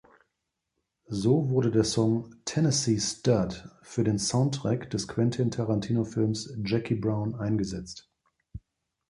So wurde der Song "Tennessee Stud" für den Soundtrack des Quentin-Tarantino-Films Jackie Brown eingesetzt.